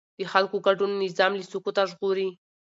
د خلکو ګډون نظام له سقوطه ژغوري